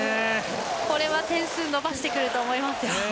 これは点数を伸ばしてくると思いますよ。